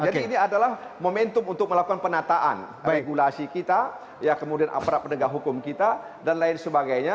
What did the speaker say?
jadi ini adalah momentum untuk melakukan penataan regulasi kita ya kemudian aparat pendengar hukum kita dan lain sebagainya